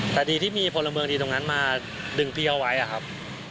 แต่ดีที่มีพลเมืองดีตรงนั้นมาดึงพี่เอาไว้อะครับ